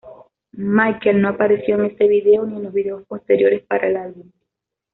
Michael no apareció en este vídeo ni en los vídeos posteriores para el álbum.